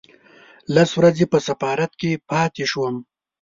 لس ورځې په سفارت کې پاتې شوم.